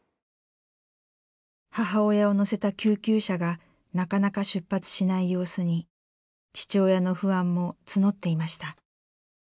母親を乗せた救急車がなかなか出発しない様子に父親の不安も募っていました。